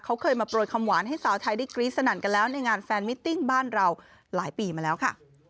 เขาเคยมาโปรยคำหวานให้สาวไทยได้กรี๊ดสนั่นกันแล้วในงานแฟนมิตติ้งบ้านเราหลายปีมาแล้วค่ะ